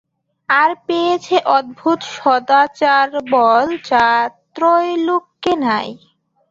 আর পেয়েছে অদ্ভুত সদাচারবল, যা ত্রৈলোক্যে নাই।